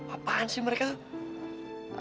apaan sih mereka tuh